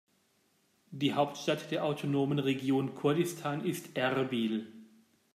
Die Hauptstadt der autonomen Region Kurdistan ist Erbil.